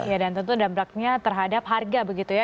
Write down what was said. ya dan tentu dampaknya terhadap harga begitu ya